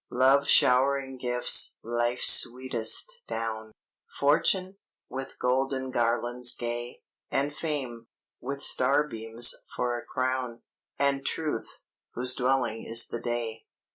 Love showering gifts (life's sweetest) down; Fortune, with golden garlands gay; And Fame, with starbeams for a crown; And Truth, whose dwelling is the day."